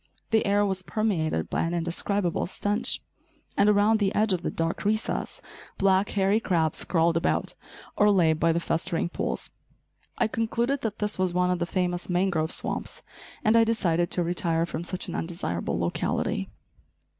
The air was permeated by an indescribable stench; and around the edge of the dark recess, black, hairy crabs crawled about, or lay by the festering pools. I concluded that this was one of the famous mangrove swamps, and I decided to retire from such an undesirable locality.